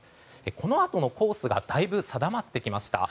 このあとのコースがだいぶ定まってきました。